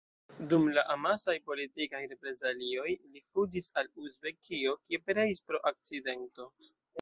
Dum la amasaj politikaj reprezalioj li fuĝis al Uzbekio, kie pereis pro akcidento.